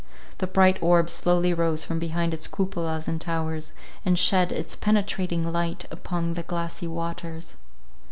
The bright orb slowly rose from behind its cupolas and towers, and shed its penetrating light upon the glassy waters.